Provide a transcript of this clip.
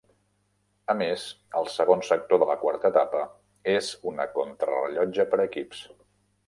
A més el segon sector de la quarta etapa és una contrarellotge per equips.